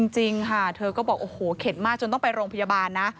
จริงค่ะเธอก็บอกโอ้โหเข็ดมากจนต้องไปโรงพยาบาลนะ